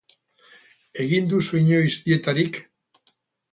Egin duzu inoiz dietarik?